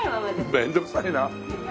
面倒くさいな。